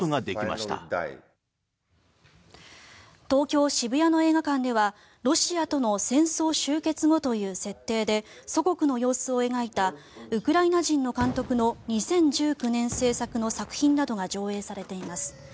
東京・渋谷の映画館ではロシアとの戦争終結後という設定で祖国の様子を描いたウクライナ人の監督の２０１９年制作の作品などが上映されています。